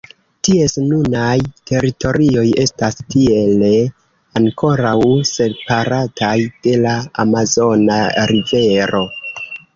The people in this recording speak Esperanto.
Ties nunaj teritorioj estas tiele ankoraŭ separataj de la Amazona rivero.